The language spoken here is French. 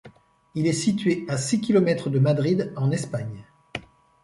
Il est situé à six kilomètres de Madrid, en Espagne.